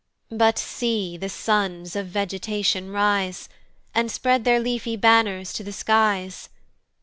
But see the sons of vegetation rise, And spread their leafy banners to the skies.